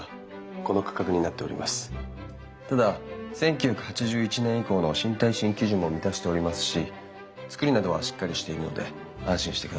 ただ１９８１年以降の新耐震基準も満たしておりますし作りなどはしっかりしているので安心してください。